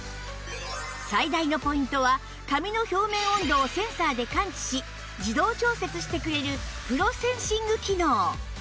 最大のポイントは髪の表面温度をセンサーで感知し自動調節してくれるプロセンシング機能